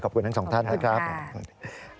ขอบคุณทั้งสองท่านนะครับขอบคุณครับ